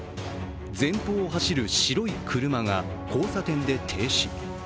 前方を走る白い車が交差点で停止。